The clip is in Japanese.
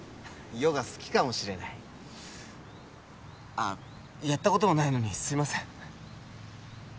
ヨガ好きかもしれないあっやったこともないのにすいません